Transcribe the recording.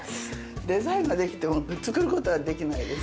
デザインはできても作ることはできないです。